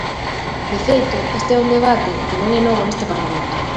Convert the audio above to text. De feito, este é un debate que non é novo neste parlamento.